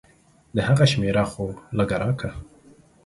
د هغه شميره خو لګه راکه.